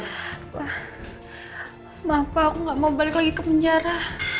kenapa aku nggak mau balik lagi ke penjara